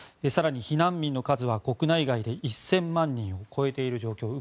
更に、避難民の数は国内外で１０００万人を超えている状況。